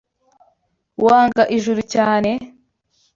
Wanga Juru cyane?